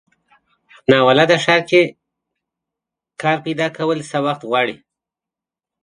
په ناولده ښار کې کار پیداکول څه وخت غواړي.